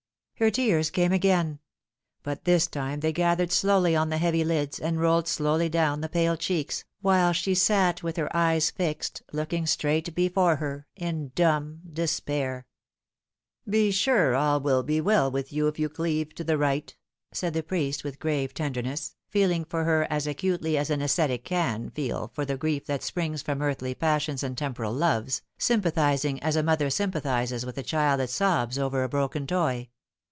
Her tears came again ; but this time they gathered slowly on the heavy lids, and rolled slowly down the pale cheeks, while she sat with her eyes fixed, looking straight before her, in dumb despair. 160 The Fatal Three. " Be sure 'all will be well with you if you cleave to the right," said the priest, with grave tenderness, feeling for her as acutely as an ascetic can feel for the grief that springs from earthly passions and temporal loves, sympathising as a mother sympathises with a child that sobs over a broken toy.